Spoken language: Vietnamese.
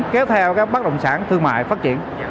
kéo theo bất động sản thương mại phát triển